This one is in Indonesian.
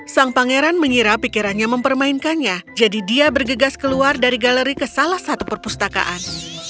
sang pangeran mengira pikirannya mempermainkannya jadi dia bergegas keluar dari galeri ke salah satu perpustakaan